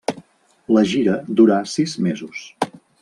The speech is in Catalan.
La gira durà sis mesos.